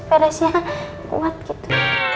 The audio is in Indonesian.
peresnya kuat gitu